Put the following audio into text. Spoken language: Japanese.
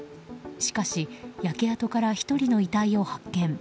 しかし、焼け跡から１人の遺体を発見。